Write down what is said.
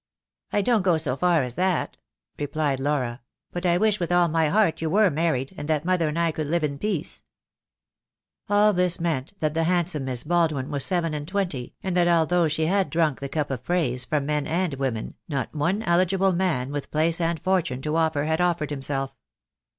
"I don't go so far as that," replied Laura, "but I wish with all my heart you were married, and that mother and I could live in peace." THE DAY WILL COME. 2 1 J All this meant that the handsome Miss Baldwin was seven an d twenty, and that although she had drunk the cup of praise from men and women, not one eligible man with place and fortune to offer had offered himself.